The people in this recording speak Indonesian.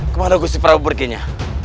kemana gusti prabu perginya